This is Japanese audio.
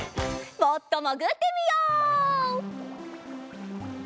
もっともぐってみよう！